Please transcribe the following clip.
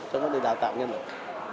cho có thể đào tạo nhân lực